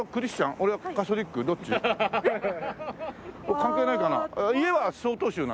関係ないかな？